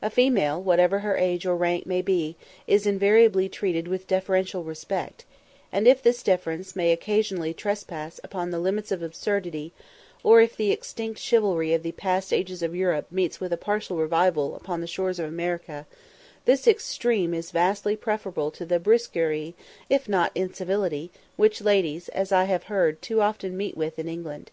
A female, whatever her age or rank may be, is invariably treated with deferential respect; and if this deference may occasionally trespass upon the limits of absurdity, or if the extinct chivalry of the past ages of Europe meets with a partial revival upon the shores of America, this extreme is vastly preferable to the brusquerie, if not incivility, which ladies, as I have heard, too often meet with in England.